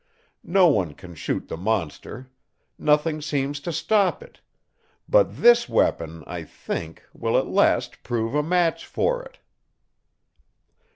No one can shoot the monster. Nothing seems to stop it. But this weapon, I think, will at last prove a match for it."